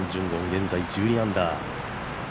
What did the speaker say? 現在、１２アンダー。